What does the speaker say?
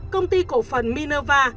công ty cổ phần minerva